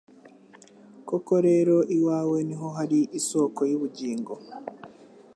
Koko rero iwawe ni ho hari isoko y’ubugingo